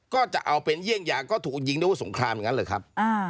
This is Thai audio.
ก็จะเอาเป็นเยี่ยงยาก็ถูกยิงด้วยสงครามอย่างนั้นแหละครับ